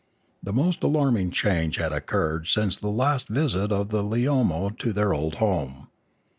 The most alarming change had occurred since the last visit of the Leomo to their old home.